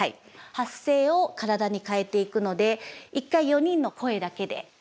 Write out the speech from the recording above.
発声を体に変えていくので一回４人の声だけでいきましょう。